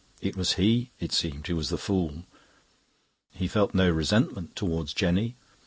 It was he, it seemed, who was the fool. He felt no resentment towards Jenny.